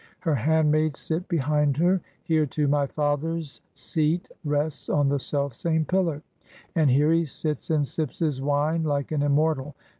Her handmaids sit behind her. Here too my father's seat rests on the selfsame pillar, and here he sits and sips his wine like an immortal.